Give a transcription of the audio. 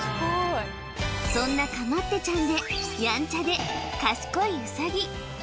そんなかまってちゃんでヤンチャで賢いウサギ